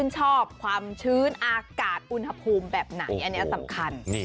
ชอบความชื้นอากาศอุณหภูมิแบบไหนอันนี้สำคัญ